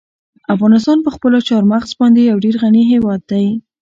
افغانستان په خپلو چار مغز باندې یو ډېر غني هېواد دی.